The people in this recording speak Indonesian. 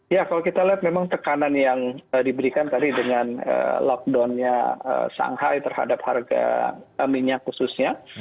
ya kalau kita lihat memang tekanan yang diberikan tadi dengan lockdownnya shanghai terhadap harga minyak khususnya